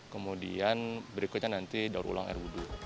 kemudian berikutnya nanti daur ulang air wudhu